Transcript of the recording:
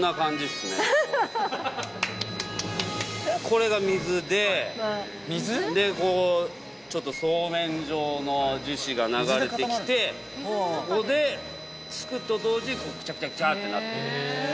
これが水ででこうちょっとそうめん状の樹脂が流れて来てここにつくと同時にクチャクチャってなってる。